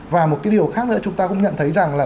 và một cái điều khác nữa chúng ta cũng nhận thấy rằng là